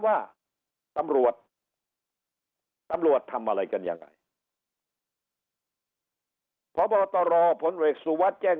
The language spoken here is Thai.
ว่าตำรวจตำรวจทำอะไรกันยังไงพบตรผลเอกสุวัสดิ์แจ้ง